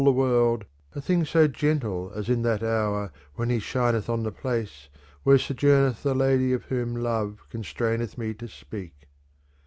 the worldv a, thing so gentle as in that hour when he shineth «ir the place where sojourneth the lady of whom love con i straineth me to speak.